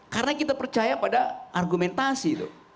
karena kita percaya pada argumentasi itu